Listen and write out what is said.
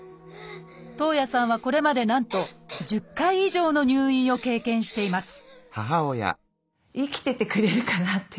徳文さんはこれまでなんと１０回以上の入院を経験しています